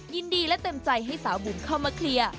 ยินดีและเต็มใจให้สาวบุ๋มเข้ามาเคลียร์